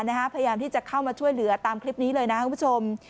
พยายามที่จะเข้ามาช่วยเหลือตามคลิปนี้เลยนะครับคุณผู้ชม